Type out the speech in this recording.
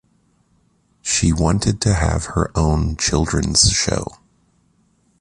She wanted to have her own children’s show.